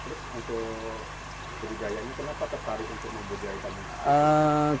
atau bergaya ini kenapa tertarik untuk membeli belah itu